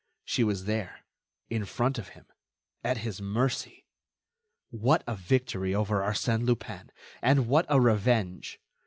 She was there, in front of him, at his mercy! What a victory over Arsène Lupin! And what a revenge!